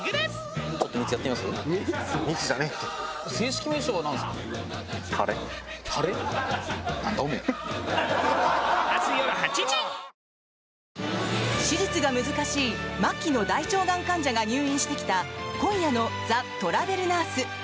手術が難しい末期の大腸がん患者が入院してきた今夜の「ザ・トラベルナース」。